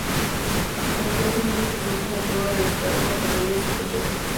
En Estados Unidos se usó como prueba de descargo a favor del sospechoso.